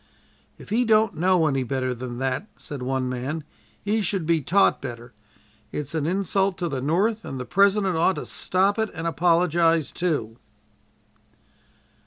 "If he don't know any better than that," said one man, "he should be taught better. It's an insult to the North and the President ought to stop it and apologize, too."